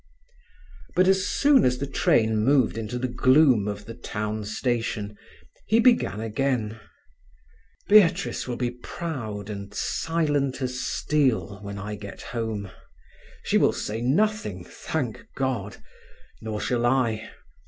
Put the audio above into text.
But as soon as the train moved into the gloom of the Town station, he began again: "Beatrice will be proud, and silent as steel when I get home. She will say nothing, thank God—nor shall I.